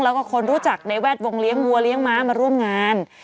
แล้วก็คนรู้จักในแวดวงเลี้ยงวัวเลี้ยงม้ามาร่วมงาน